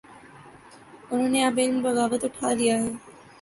انہوں نے اب علم بغاوت اٹھا لیا ہے۔